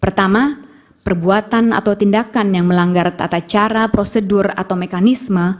pertama perbuatan atau tindakan yang melanggar tata cara prosedur atau mekanisme